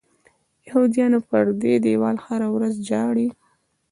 یهودیان پر دې دیوال هره ورځ ژاړي.